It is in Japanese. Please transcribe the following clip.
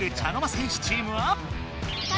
戦士チームは。